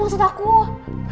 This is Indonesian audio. maksudnya aku bisa cari